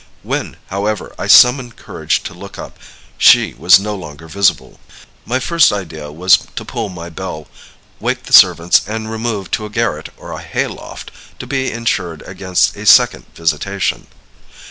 When, however, I summoned courage to look up, she was no longer visible. "My first idea was to pull my bell, wake the servants, and remove to a garret or a hayloft, to be insured against a second visitation.